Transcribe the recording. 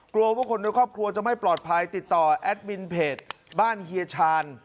กลัวว่าคนในครอบครัวจะไม่ปลอดภัยติดต่อแอดมินเพจบ้านเฮียชาญ